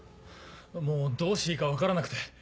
もうどうしていいか分からなくて。